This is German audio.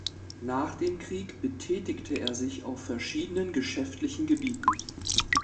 Nach dem Krieg betätigte er sich auf verschiedenen geschäftlichen Gebieten.